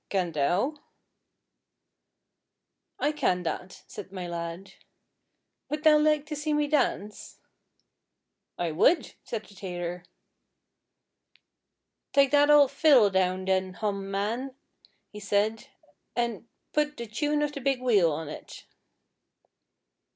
'Can thou?' 'I can that,' said my lad. 'Would thou like to see me dance?' 'I would,' said the tailor. 'Take that oul' fiddle down, then, Hom, man,' he said; 'an' put "The tune of the Big Wheel" on it.'